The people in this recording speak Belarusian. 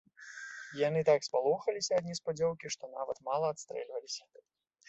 Яны так спалохаліся ад неспадзеўкі, што нават мала адстрэльваліся.